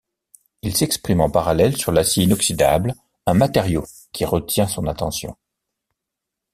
Il s'exprime en parallèle sur l'acier inoxydable, un matériau qui retient son attention.